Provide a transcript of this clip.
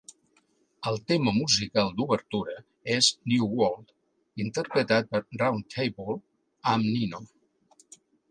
El tema musical d'obertura és "New World", interpretat per Round Table amb Nino.